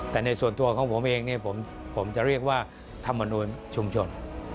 แต่ในส่วนตัวของผมเองเนี่ยผมจะเรียกว่าธรรมนูลชุมชน